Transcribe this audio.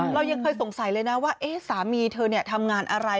เรายังเคยสงสัยเลยนะว่าสามีเธอทำงานอะไร